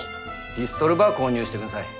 ピストルば購入してくんさい。